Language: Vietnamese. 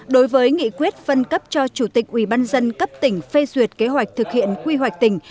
đối với nghị quyết phân cấp cho chủ tịch ubnd cấp tỉnh phê duyệt kế hoạch thực hiện quy hoạch tỉnh